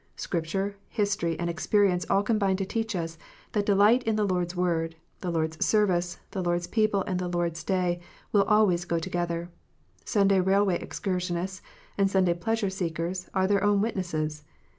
Scripture, history, and ex perience all combine to teach us, that delight in the Lord s Word, the Lord s service, the Lord s people, and the Lord s Day, will always go together. Sunday railway excursionists and Sunday pleasure seekers are their own witnesses.